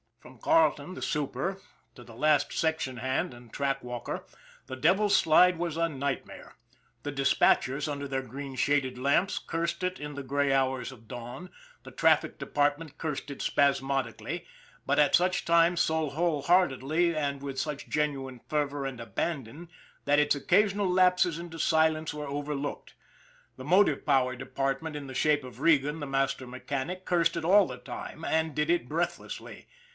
From Carleton, the super, to the last section hand and track walker, the Devil's Slide was a nightmare. The dispatchers, under their green shaded lamps, cursed it in the gray hours of dawn ; the traffic depart ment cursed it spasmodically, but at such times so whole heartedly and with such genuine fervor and abandon that its occasional lapses into silence were overlooked ; the motive power department in the shape of Regan, the master mechanic, cursed it all the time, and did it breathlessly.